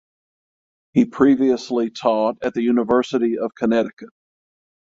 He previously taught at the University of Connecticut.